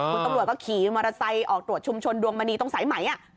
คุณตำรวจก็ขี่มอเตอร์ไซค์ออกตรวจชุมชนดวงมณีตรงสายไหม